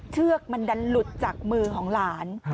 เชือกมันดันหลุดจากมือของหลาน